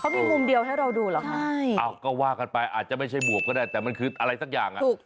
มีมุมเดียวให้เราดูเหรอคะก็ว่ากันไปอาจจะไม่ใช่บวกก็ได้แต่มันคืออะไรสักอย่างอ่ะถูก